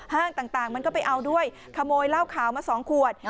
ห้างต่างมันก็ไปเอาด้วยขโมยเหล้าขาวมา๒ขวด